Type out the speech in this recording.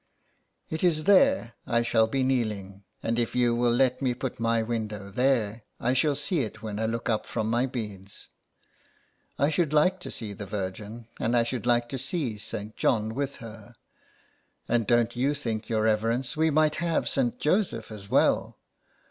" It is there I shall be kneeling, and if you will let me put my window there I shall see it when I look up from my beads. I should like to see the Virgin and I should like to see St. John with her. And don't you think, your reverence, we might have St. Joseph as well.